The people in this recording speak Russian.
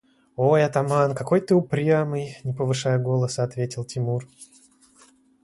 – Ой, атаман, какой ты упрямый, – не повышая голоса, ответил Тимур.